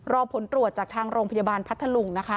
รอผลตรวจจากทางโรงพยาบาลพัทธลุงนะคะ